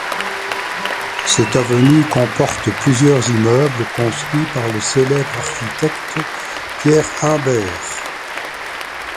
Cette avenue comporte plusieurs immeubles construits par le célèbre architecte Pierre Humbert.